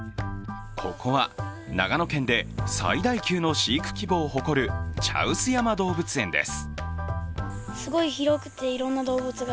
ここは長野県で最大級の飼育規模を誇る茶臼山動物園です。